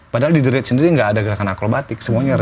padahal di the rate sendiri gak ada gerakan akrobatik